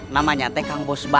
namanya teh kang bos bagja